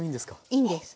いいんです。